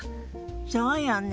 そうよね。